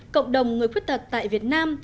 cộng đồng người khuyết tật tại việt nam